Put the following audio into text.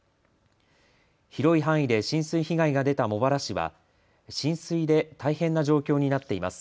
広い範囲で浸水被害が出た茂原市は浸水で大変な状況になっています。